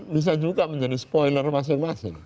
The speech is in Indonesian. bisa juga menjadi spoiler masing masing